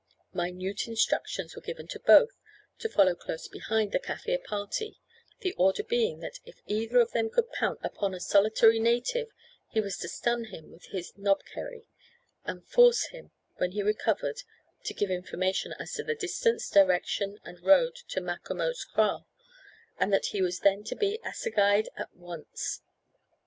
Minute instructions were given to both to follow close behind the Kaffir party, the order being that if either of them could pounce upon a solitary native, he was to stun him with his knobkerry, and force him when he recovered to give information as to the distance, direction, and road to Macomo's kraal, and that he was then to be assegaid at once.